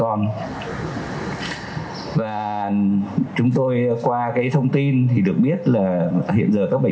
anh em chúng tôi kiên quyết phải làm sao